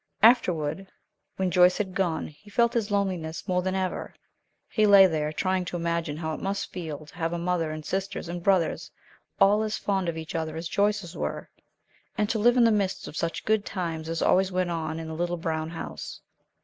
Afterward, when Joyce had gone, he felt his loneliness more than ever. He lay there, trying to imagine how it must feel to have a mother and sisters and brothers all as fond of each other as Joyce's were, and to live in the midst of such good times as always went on in the little brown house.